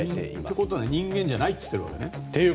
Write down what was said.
ということは人間じゃないと言っているわけね。